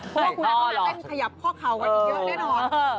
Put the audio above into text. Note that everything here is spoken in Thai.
พวกคุณก็มาเล่นขยับข้อเขากันอีกเยอะแน่นอน